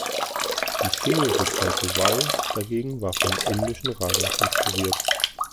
Die Single-Rückseite "Why" dagegen war von indischen Ragas inspiriert.